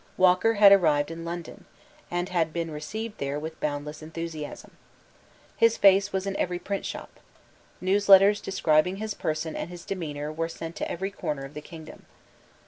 Walker had arrived in London, and had been received there with boundless enthusiasm. His face was in every print shop. Newsletters describing his person and his demeanour were sent to every corner of the kingdom.